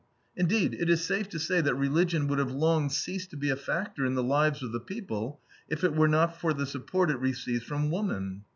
Indeed, it is safe to say that religion would have long ceased to be a factor in the lives of the people, if it were not for the support it receives from woman.